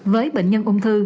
với bệnh nhân ung thư